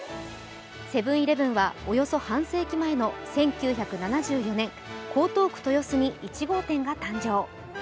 セブン−イレブンはおよそ半世紀前の１９７４年江東区・豊洲に１号店が誕生。